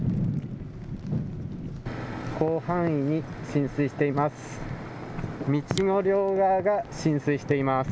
広範囲に浸水しています。